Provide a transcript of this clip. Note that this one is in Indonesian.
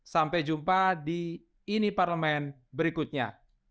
sampai jumpa di ini parlemen berikutnya